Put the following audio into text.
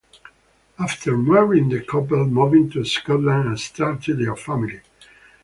After marrying, the couple moved to Scotland and started their family.